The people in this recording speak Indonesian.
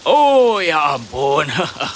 oh ya ampun